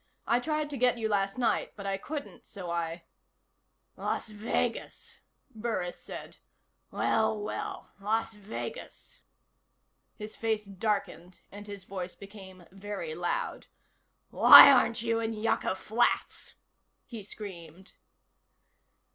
"I tried to get you last night, but I couldn't, so I " "Las Vegas," Burris said. "Well, well. Las Vegas." His face darkened and his voice became very loud. "Why aren't you in Yucca Flats?" he screamed.